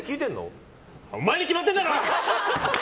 お前に決まってんだろ！